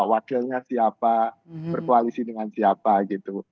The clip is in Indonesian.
wakilnya siapa berkoalisi dengan siapa gitu